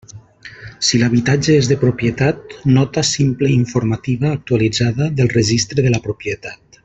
Si l'habitatge és de propietat: nota simple informativa actualitzada del Registre de la Propietat.